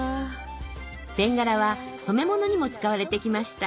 ベンガラは染め物にも使われてきました